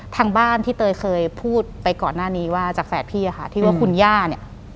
ทางบ้านที่เตยเคยพูดไปก่อนหน้านี้ว่าจากแฝดพี่ค่ะที่ว่าคุณย่าเนี่ย